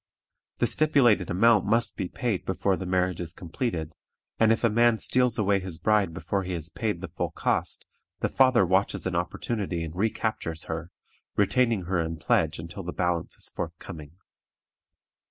The stipulated amount must be paid before the marriage is completed; and if a man steals away his bride before he has paid the full cost, the father watches an opportunity and recaptures her, retaining her in pledge until the balance is forthcoming.